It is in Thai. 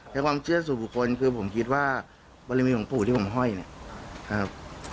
ความเชื่อสู่บุคคลคือผมคิดว่าบรมีหลวงปู่ที่ผมห้อยเนี่ยครับ